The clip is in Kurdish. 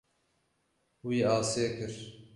Wî asê kir.